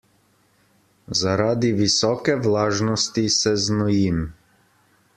Zaradi visoke vlažnosti se znojim.